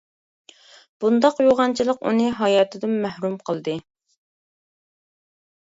بۇنداق يوغانچىلىق ئۇنى ھاياتىدىن مەھرۇم قىلدى.